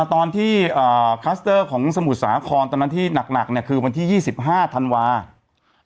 ตอนที่ของสมุดสาของตอนนั้นที่หนักหนักเนี่ยคือวันที่ยี่สิบห้าธันวาส